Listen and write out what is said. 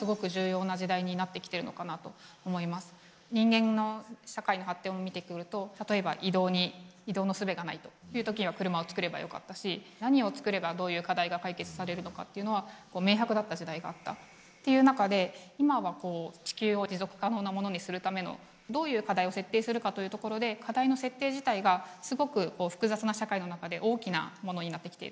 人間の社会の発展を見てくると例えば移動のすべがないという時には車を作ればよかったし何を作ればどういう課題が解決されるのかっていうのは明白だった時代があったという中で今は地球を持続可能なものにするためのどういう課題を設定するかというところで課題の設定自体がすごく複雑な社会の中で大きなものになってきている。